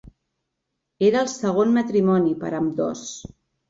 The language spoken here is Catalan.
Era el segon matrimoni per a ambdós.